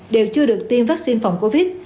đều chưa được tiêm vaccine phòng covid